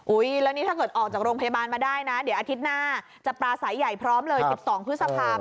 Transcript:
แล้วนี่ถ้าเกิดออกจากโรงพยาบาลมาได้นะเดี๋ยวอาทิตย์หน้าจะปลาสายใหญ่พร้อมเลย๑๒พฤษภาคม